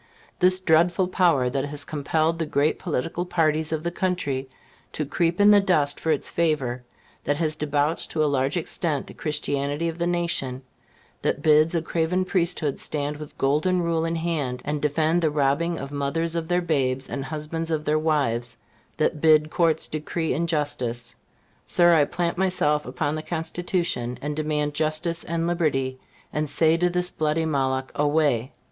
This dreadful power, that has compelled the great political parties of the country to creep in the dust for its favor; that has debauched to a large extent the Christianity of the nation; that bids a craven priesthood stand with Golden Rule in hand, and defend the robbing of mothers of their babes, and husbands of their wives; that bids courts decree injustice; Sir, I plant myself upon the Constitution, and demand justice and liberty, and say to this bloody Moloch, Away!